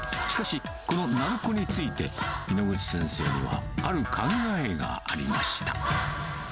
しかし、この鳴子について、猪口先生にはある考えがありました。